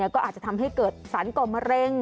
ก็อาจจะทำให้เกิดสารก่อมะเร็ง